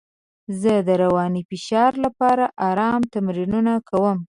زه د رواني فشار لپاره ارام تمرینونه کوم.